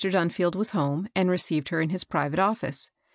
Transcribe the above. Dunfield was home, and received her in his private ofiSce.